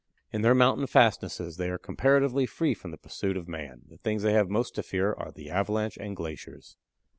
In their mountain fastnesses they are comparatively free from the pursuit of man; the things they have most to fear are the avalanche and glaciers.